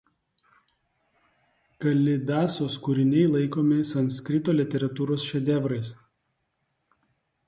Kalidasos kūriniai laikomi Sanskrito literatūros šedevrais.